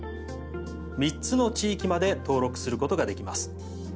３つの地域まで登録することができます。